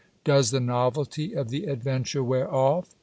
Does the novelty of the adventure wear off?